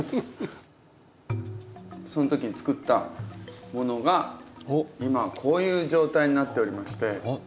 その時つくったものが今こういう状態になっておりまして。